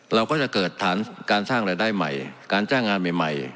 เราก็จะเกิดฐานการสร้างรายได้ใหม่การจ้างงานใหม่